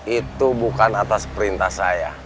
itu bukan atas perintah saya